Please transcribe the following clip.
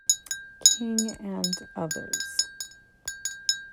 King and others.